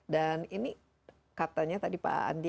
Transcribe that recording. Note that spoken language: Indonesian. dan ini katanya tadi pak andi